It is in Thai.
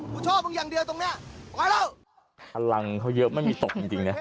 ชอบมึงอย่างเดียวตรงเนี้ยมาแล้วพลังเขาเยอะไม่มีตกจริงจริงนะ